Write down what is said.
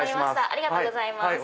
ありがとうございます。